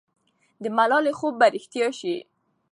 د ملالۍ خوب به رښتیا سي.